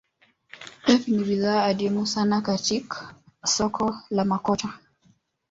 Pep ni bidhaa adimu sana katik soko la makocha